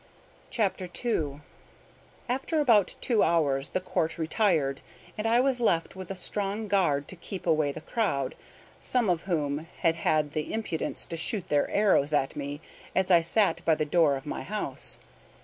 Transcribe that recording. CHAPTER II After about two hours the Court retired, and I was left with a strong guard to keep away the crowd, some of whom had had the impudence to shoot their arrows at me as I sat by the door of my house.